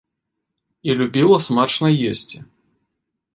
І любіла смачна есці.